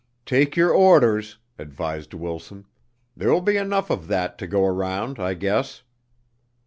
"Take your orders," advised Wilson. "There will be enough of that to go around, I guess."